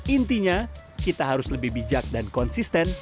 intinya kita harus lebih bijak dan konsisten